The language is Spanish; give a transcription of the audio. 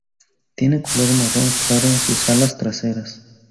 Tiene color marrón claro en sus alas traseras.